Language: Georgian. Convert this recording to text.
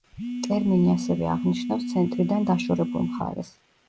ტერმინი ასევე აღნიშნავს ცენტრიდან დაშორებულ მხარეს.